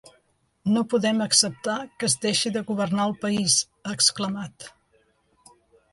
No podem acceptar que es deixi de governar el país, ha exclamat.